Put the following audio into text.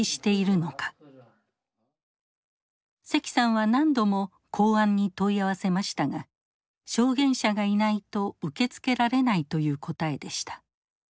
石さんは何度も公安に問い合わせましたが証言者がいないと受け付けられないという答えでした。